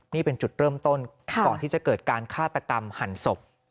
นี่เป็นจุดเริ่มต้นก่อนที่จะเกิดการฆาตกรรมหันศพ